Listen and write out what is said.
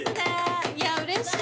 いやうれしい。